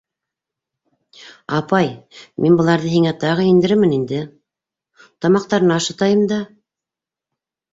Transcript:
- Апай, мин быларҙы һиңә тағы индерермен инде... тамаҡтарына ашатайым да...